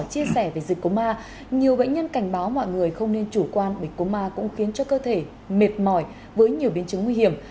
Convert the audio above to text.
chia sẻ về dịch cú ma nhiều bệnh nhân cảnh báo mọi người không nên chủ quan bởi cú ma cũng khiến cho cơ thể mệt mỏi với nhiều biến chứng nguy hiểm